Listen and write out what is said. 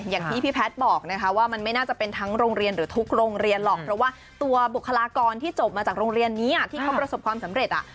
อย่างที่พี่แพทย์บอกนะคะว่ามันไม่น่าจะเป็นทั้งโรงเรียนหรือทุกโรงเรียนหรอก